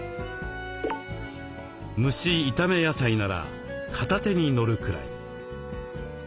蒸し・炒め野菜なら片手にのるくらい。